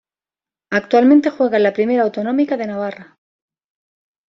Actualmente juega en la Primera Autonómica de Navarra.